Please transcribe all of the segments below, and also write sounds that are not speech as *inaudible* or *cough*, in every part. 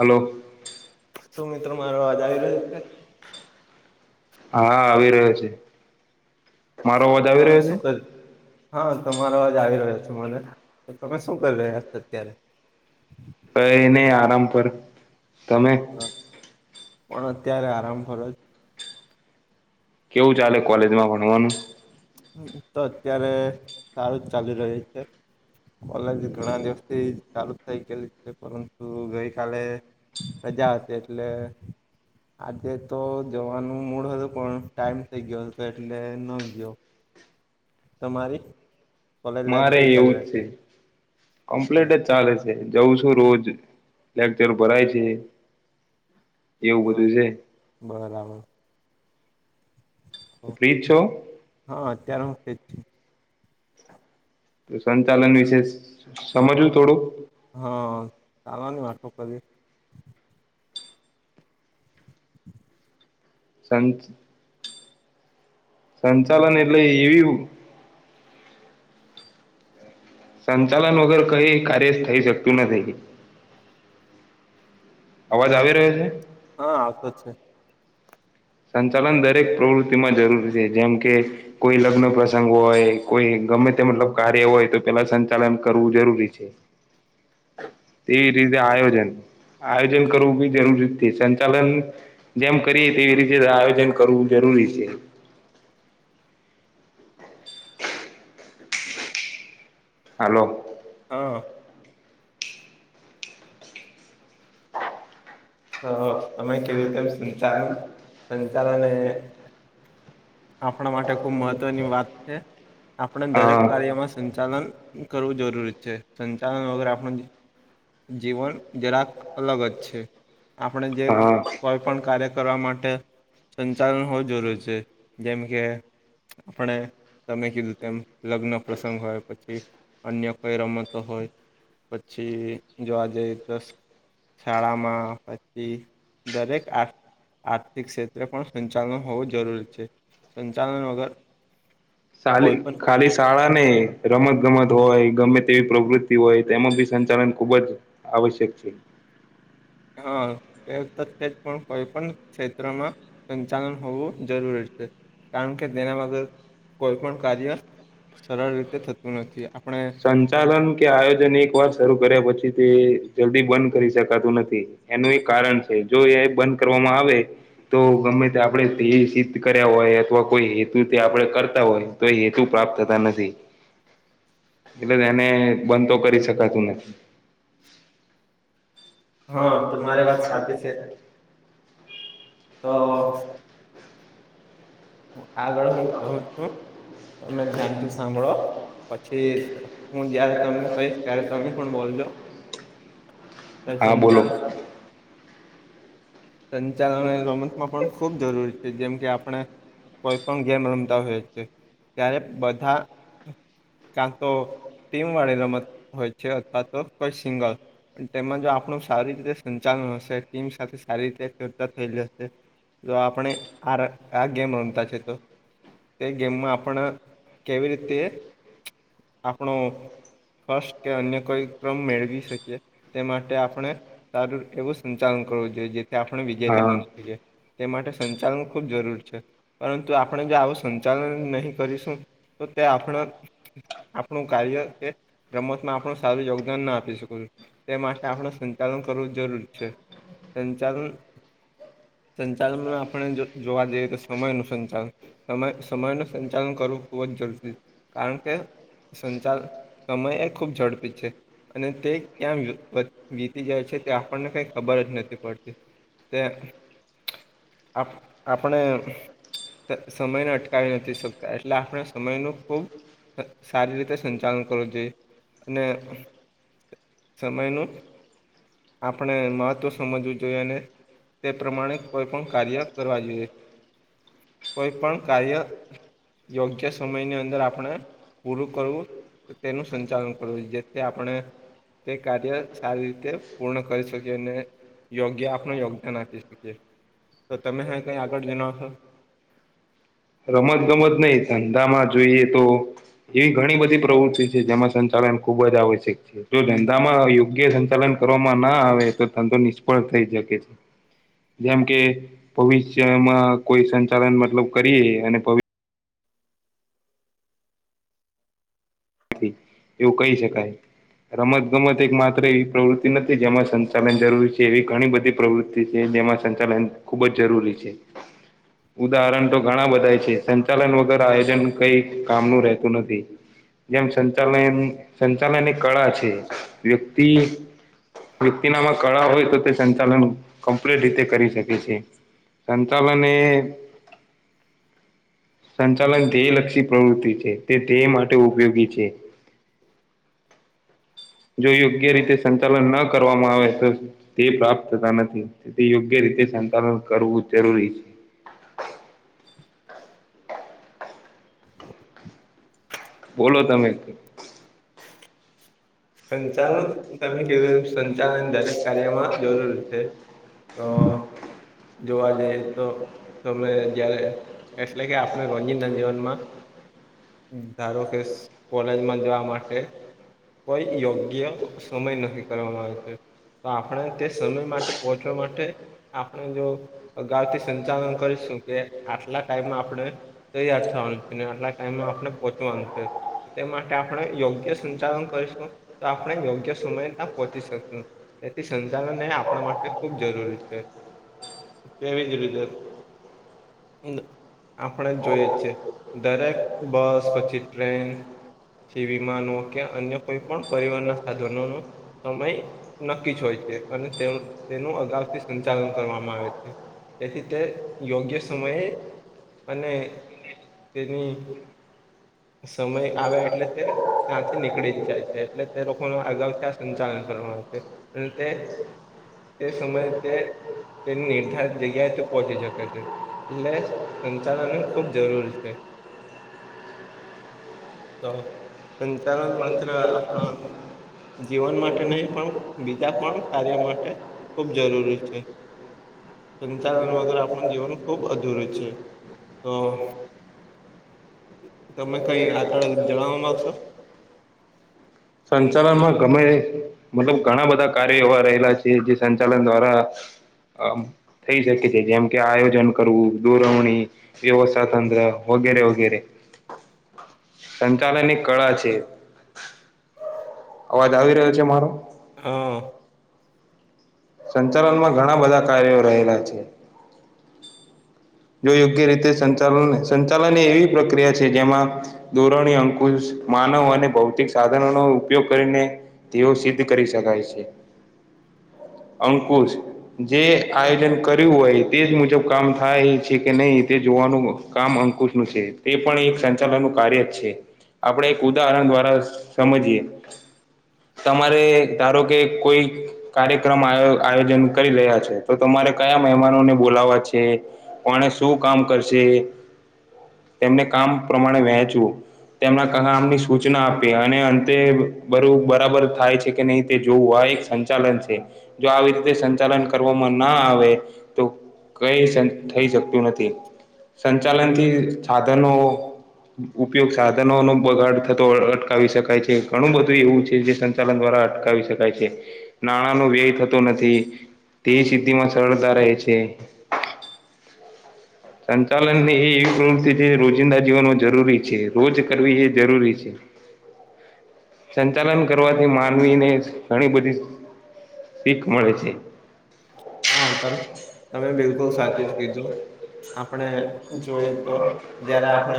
Hello શું મિત્રો મારો અવાજ આવી રહ્યો છે હા આવી રહ્યો છે મારો અવાજ આવી તમે રહ્યો શું છે? કર હા તમારાવાજ આવી રહ્યો છો મને તો તમે શું કરી રહ્યા છો અત્યારે? *inaudible* એ નહી આરામ પર તમે? પણ અત્યારે આરામ ફરજ કેવું ચાલે કોલેજમાં ભણવાનું હ તો અત્યારે સારું જ ચાલુ રહ્યું છે કોલેજ ઘણા દિવસથી ચાલુ થઈ ગયેલી છે પરંતુ ગઈ કાલે રજા હતી એટલે આજે તો જવાનું મૂળ હતું પણ ટાઈમ થઇ ગયો હતો એટલે ન ગયો તમારી કોલેજ લાઈફ મારે કેવી એવું ચાલી જ રહી છે કમ્પ્લીટ બસ જ ચાલે છે જઉ છું રોજ લેકચર ભરાય છે એ બ દ છે બરામાં તો પ્રીત છો હા અત્યારે હું કે જ છ તો સંચાલન વિશે સમજવું થોડું હા ચાલવાની વાટો કરી સં સંચાલન એટલે એવી સંચાલન વગર કઈ કાર્ય થઈ શકતું નથી અવાજ આવી રહ્યો છે હા આવતો જ છે સંચાલન દરેક પ્રવૃત્તિમાં જરૂરી છે જેમ કે કોઈ લગ્ન પ્રસંગ હોય કોઈ ગમે તે મતલબ કાર્ય હોય તો પેલા સંચાલન કરવું જરૂરી છે તે રીતે આયોજન આયોજન કરવું બી જરૂરી છે સંચાલન જેમ કરીએ તેવી રીતે આયોજન કરવું જરૂરી છે હાલો હા તો તમે કેવું કે સંચાલન સંચાલને આપણા માટે ખુબ મહત્વની વાત છે આપણે દરેક હા કાર્યમાં સંચાલન કરવું જરૂરી છે સંચાલન વગરરે આપણ જીવન ગરાક અલગ જ છે આપણે જે હા કોઈ પણ કાર્ય કરવા માટે સંચાલન હોવું જરૂરી છે જેમ કે આપણે તમે કીધું તેમ લગ્ન પ્રસંગ હોય પછી અન્ય કઈ રમતો હોય પછી જો આ જઈ તો શાળામાં પછી દરેક આ આર્થિક ક્ષેત્રે પણ સંચાલન હોવું જરૂરી છે સંચાલન વગર કોઈ પણ ખલી શાળાને રમત ગમત હોય ગમે તેવી પ્રવૃતિ હોય તેમાં બી સંચાલન ખુબ જ આવશ્યક છે. હા એ તો છે જ પણ કોઈ પણ ક્ષેત્રમાં સંચાલન હોવું જરૂરી છે કારણ કે તેના વગર કોઈ પણ કાર્ય સરળ રીતે થતું નથી આપણે સંચાલન કે આયોજન એક વાર શરૂ કર્યા પછી તે જલ્દી બંધ કરી શકાતું નથી એનું એક કારણ છે જો એ બંધ કરવામાં આવે તો ગમે તે આપણે તે સિદ્ધ કર્યા હોય અથવા કોઈ હેતુ તે આપણે કરતા હોય તો એ હેતુ પ્રાપ્ત થતા નથી એટલે એને બંધ તો કરી શકાતું નથી. હા તો મારી વાત સાચી છે તો હ આગળ હું કહું છું તમે ધ્યાનથી સાંભળો પછી હું જયારે તમને કહીશ ત્યારે તમે પણ બોલજો હા બોલો. સંચાલ સંચાલન અને રોમચમાં પણ ખૂબ જરૂરી છે જેમ કે આપણે કોઈ પણ ગેમ રમતા હોય છે ત્યારે બધા કાં તો ટીમ વાળી રમત હોય છે અથવા તો કોઈ સિંગલ. તેમાં જો આપણું સારી રીતે સંચાલન હશે ટીમ સાથે સારી રીતે ચર્ચા થયેલી હશે. જો આપણે આર આ ગેમ રમ પછી તો તે ગેમમાં આપણ કેવી રીતે આપણો ફર્સ્ટ કે અન્ય કોઈ ક્રમ મેળવી શકીએ તે માટે આપણે સારું એવું સંચાલન કરવું જોઈએ જેથી આપણે વિજેતા હા બની શકીએ. તે માટે સંચાલન ખુબ જરૂરી છે. પરંતુ આપણે જે આવું સંચાલન નહી કરીશું તો તે આપણા આપણું કાર્ય કે રમતમાં આપણું સારું યોગદાન ના આપી શકો છું. તે માટે આપણે સંચાલન કરવું જરૂરી છે સંચાલન સંચાલનનું આપણે જો જોવા જઈએ તો સમય નું સંચાલન સમય સમયનું સંચાલન કરવું ખૂબ જ જરૂરી કારણ કે સંચાલ સમય એ ખૂબ ઝડપી છે. અને તે ક્યાં વી વત વીતી જાય છે તે આપણને કઈ ખબર જ નથી પડતી. તે આપ આપણે તે સમયને અટકાવી નથી શકતા એટલે આપણે સમયનું ખૂબ સારી રીતે સંચાલન કરવું જોઈએ અને સમયનું આપણે મહત્ત્વ સમજવું જોઈએ અને તે પ્રમાણે કોઈ પણ કાર્ય કરવા જોઈએ કોઈ પણ કાર્ય યોગ્ય સમયની અંદર આપણે પૂરું કરવું તેનું સંચાલન કરવું જેથી આપણે તે કાર્ય સારી રીતે પૂર્ણ કરી શકીએ અને યોગ્ય આપનું યોગદાન આપી શકીએ. તો તમે હા કંઈ આગળ જણાવશો. રમત ગમત નહી ધંધામાં જોઈએ તો એવી ઘણી બધી પ્રવૃતિ છે જેમાં સંચાલન ખુબ જ આવશ્યક છે. જો ધંધામાં યોગ્ય સંચાલન કરવામાં ના આવે તો ધંધો નિષ્ફળ થઈ શકે છે. જેમ કે ભવિષ્યમાં કોઈ સંચાલન મતલબ કરીએ અને ભવિ એવું કહી શકાય. રમત ગમત એક માત્ર એવી પ્રવૃતિ નથી જેમાં સંચાલન જરૂરી છે એવી ઘણી બધી પ્રવૃત તેકે જેમાં સંચાલન ખુબ જ જરૂરી છે. ઉદાહરણ તો ઘણા બધાય છે સંચાલન વગર આયોજન કઈ કામનું રહેતું નથી. જેમ સંચાલયેન સંચાલન એ કળા છે વ્યક્તિ વ્યક્તિનામાં કળા હોય તો તે સંચાલન કમ્પ્લીટ રીતે કરી શકે છે. સંચાલનએ સંચાલન ધ્યેયલક્ષી પ્રવૃત્તિ છે તે ધ્યેય માટે ઉપયોગી છે. જો યોગ્ય રીતે સંચાલન ન કરવામાં આવે તો તે પ્રાપ્ત થતા નથી તેથી યોગ્ય રીતે સંતાાલન કરવું જરૂરી છે. બોલો તમે. તમે સંચાલન કીધું એમ સંચાલન દરેક *unintelligible* કાર્યમાં જરૂર છે *unintelligible* તો જોવા હ જઈએ તો તમે વાંધ જયારે એટલે કે આપણે બ. રોજિંદા જીવનમાં *unintelligible* ધારો કે કોલેજમાં જવા માટે. કોઈ યોગ્ય સમય નકકી કરવામાં આવે છે. તો આપણે તે સમય માટે પહોંચવા માટે પણ જો અગાઉથી સંચાલન કરીશું કે આટલા ટાઈમમાં આપણે તે યાદ થવાનું છે ને આટલા ટાઈમમાં આપણે પોહચવાનું છે. તે માટે આપણે યોગ્ય સંચાલન કરીશું તો આપણે યોગ્ય સમય ના પહોંચી શકશું. તેથી સંચાલન એ આપણા માટે ખૂબ જરૂરી છે. તેવીજ રીતે આપણે જોઈએ છીએ દરેક બસ પછી ટ્રેન. -સ વિમાનો કે અન્ય કોઈ પણ પરિવારના સાધનોનો. સમય નક્કી જ હોય છે અને તેનું અગાઉથી સંચાલન. કરવામાં આવે છે તેથી તે યોગ્ય સમયે અને. તેની. સમય આવ એટલે ત્યારે. ત્યાંથી નીકળી જ જાય છે એટલે તે લોકો ન અગાઉ ત્યાં સંચાલન કરવા આવે છે અને તે. તે સમયે તે તેની નિર્ધારિત જગ્યાએ તે પહોંચી શકે છે. એટલે સંચાલન ખુબ જરૂર છે. તો સંચારન માત્ર આપણા. જીવન માટે નહીં પણ બીજા પણ કાર્ય માટે. ખૂબ જરૂરી છે. સંચાલન વગર આપણું જીવન ખૂબ અધૂરું છે તો. તમે કઈ આગળ જણાવવા માંગશો. સંચાલન માં ગમે. મતલબ ઘણા બધા કાર્યો એવા રહેલા છે જે સંચાલન દ્વારા. થઈ શકે છે જેમ કે આયોજન કરવું દોરવણી. વ્યવસ્થા તંત્ર વગેરે વગેરે સંચાલન એ કળા છે. અવાજ આવી રહ્યો છે મારો. હા. સંચાલનમાં ઘણા બધા કાર્યો રહેલા છે. જો યોગ્ય રીતે સંચાલન સંચાલન એ એવી પ્રક્રિયા છે જેમાં. ધોરણી અંકુશ માનવ અને ભૌતિક સાધનોનોો ઉપયોગ કરીને. તેઓ સિદ્ધ કરી શકાય છે. અંકુશ જે આયોજન કર્યું હોય તેજ મુજબ કામ થાય. છે કે નહી તે જોવાનું કામ અંકુશ નું છે તે પણ એક સંચાલન નું કાર્ય જ છે. આપણે એક ઉદાહરણ દ્વારા સમજીએ. તમારે ધારો કે કોઈ. કાર્યક્રમ આયોજન કરી રહ્યા છે તો તમારે કયા મહેમાનોને બોલાવા છે. કોણે શું કામ કરશે તેમને કામ પ્રમાણે વહેંચું. તેમના કામની સૂચના આપી અને અંતે બરું બરાબર થાય છે કે નહીં તે જોવું હોય સંચાલન છે જો આવી રીતે સંચાલન કરવામાં ના આવે તો કઈ સં. થઈ શકતું નથી સંચાલનથી સાધનો. ઉપયોગ સાધનો નો બગાડ થતો અટકાવી શકાય છે ઘણું બધું એવું છે જે. ચાલન દ્વારા અટકાવી શકાય છે નાણાં ન વ્યય થતો નથી. તે સિદ્ધિ માં સરળતા રહે છે. સંચાલનની એ એવી પ્રવૃત્તિ છે રોજિંદા જીવનમાં જરૂરી છે રોજ કરવી એ જરૂરી છે. સંચાલન કરવાથી માનવીને ઘણી બધી. પીક મળે છે. હા તમે તમે બિલકુલ સાચું જ હા. કીધું આપણે જોઈએ તો *unintelligible* જયારે આપણે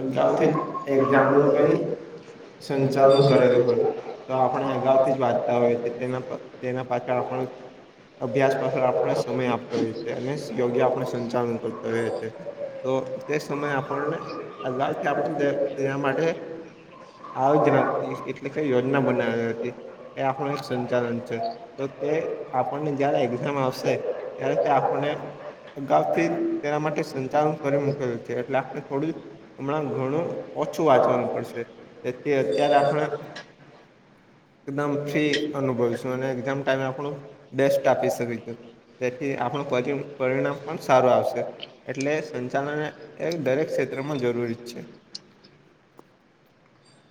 અગાઉથી જ એક્ઝામ નું કઈ સંચાલન કરેલું હોય *unintelligible* તો આપણે અગાઉથી જ વાંચતા હોઈએ છીએ તેના પર *inaudible* તેના પાછળ આપણ- અભ્યાસ પાછળ આપણે સમય આપતો હોએ છ છેએ અને યોગ્ય આપણે સંચાલન કરતા હોય છેએ- તો તે સમયે આપણને અગારથી આપણે તેના માટે- *unintelligible* એટલે કઈ યોજના બનાવી હતી એ આપણું એક સંચાલન છે તો તે આપણને જયારે એક્ઝામ આવશે ત્યારે તે આપણને અગાઉથી તેના માટે સંચાલન ફરી મૂકેલું છે. એટલે આપણે થોડું હમણાં ઘણું ઓછું વાંચવાનું પડશે તેથી અત્યારે આપણે એકદમ ફ્રી અનુભવીશું અને એકઝામ ટાઈમે આપણું બેસ્ટ આપી શકીશું. તેથી આપણું પરિ પરિણામ પણ સારું આવશે. એટલે સંચાલન એ એ દરેક ક્ષેત્રમાં જરૂરી જ છે.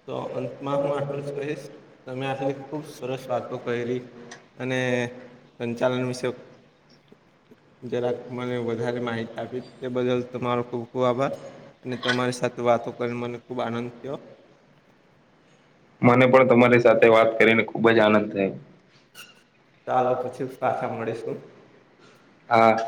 તો અંતમાં હું આટલું જ કહીશ તમે આટલી ખુબ સરસ વાતો કયરી. અને સંચાલન વિશે જરાક મને વધારે માહિતી આપી તે બદલ તમારો ખુબ ખુબ આભાર. અને તમારી સાથે વાતો કરીને મને ખુબ આનંદ થયો. મને પણ તમારી સાથે વાત કરીને ખુબ જ આનંદ થયો. ચાલો પછી પાછા મળીશું. હા